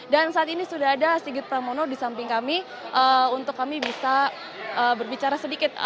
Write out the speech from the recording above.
dan saat ini sudah ada sigit pramono di samping kami untuk kami bisa berbicara sedikit